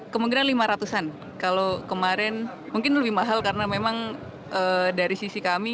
kemungkinan lima ratus an kalau kemarin mungkin lebih mahal karena memang dari sisi kami